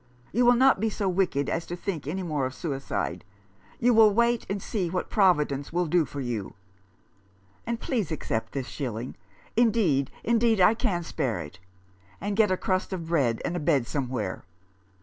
You will not be so wicked as to think any more of suicide. You will wait and see what Providence will do for you. And please accept this shilling — indeed, indeed, I can spare it — and get a crust of bread and a bed somewhere."